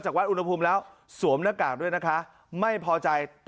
อุ้หูทำร้ายร่างกาย